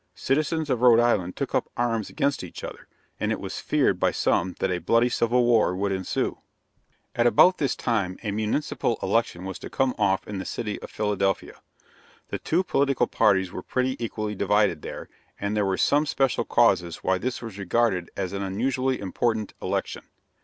Citizens of Rhode Island took up arms against each other, and it was feared by some that a bloody civil war would ensue. At about this time a municipal election was to come off in the city of Philadelphia. The two political parties were pretty equally divided there, and there were some special causes why this was regarded as an unusually important election.